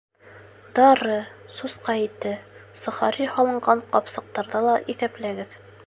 Дары, сусҡа ите, сохари һалынған ҡапсыҡтарҙы ла иҫәпләгеҙ.